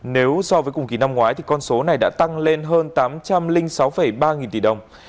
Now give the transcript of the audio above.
nếu so với cùng kỳ năm ngoái con số này đã tăng lên hơn tám trăm linh sáu bảy